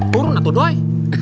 turun ato doy